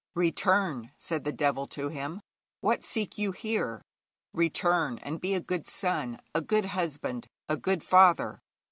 'Return!' said the devil to him. 'What seek you here? Return, and be a good son, a good husband, a good father.